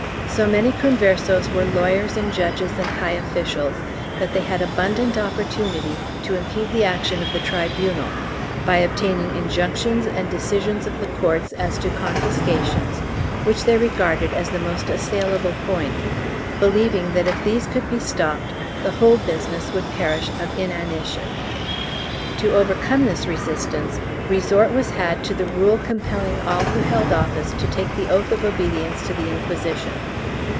So many Conversos were lawyers and judges and high officials that they had abundant opportunity to impede the action of the tribunal by obtaining injunctions and decisions of the courts as to confiscations, which they regarded as the most assailable point, believing that if these could be stopped the whole business would perish of inanition.3 To overcome this resistance, resort was had to the rule com pelling all who held office to take the oath of obedience to the Inquisition.